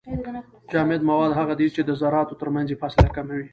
جامد مواد هغه دي چي د زراتو ترمنځ يې فاصله کمه وي.